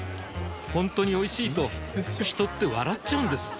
ほんとにおいしいと人って笑っちゃうんです